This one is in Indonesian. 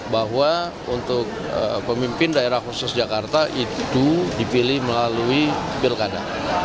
bahwa untuk pemimpin daerah khusus jakarta itu dipilih melalui pilkada